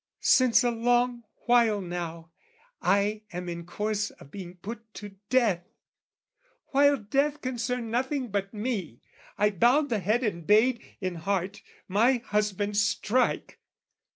Since a long while now, "I am in course of being put to death: "While death concerned nothing but me, I bowed "The head and bade, in heart, my husband strike.